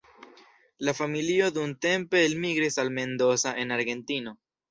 La familio dumtempe elmigris al Mendoza en Argentino.